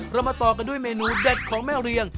มาต่อกันด้วยเมนูเด็ดของแม่เรียง